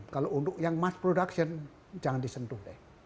kalau untuk yang mass production jangan disentuh deh